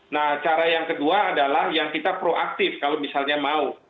nah cara yang kedua adalah yang kita proaktif kalau misalnya mau